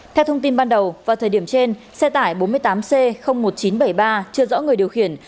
theo thông tin ban đầu vào thời điểm trên xe tải bốn mươi tám c một nghìn chín trăm bảy mươi ba chưa rõ người điều khiển